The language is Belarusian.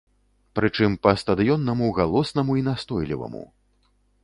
Пры чым, па-стадыённаму галоснаму і настойліваму.